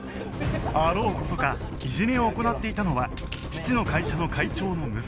あろう事かいじめを行っていたのは父の会社の会長の息子だった